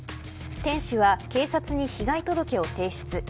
店主は警察に被害届を提出。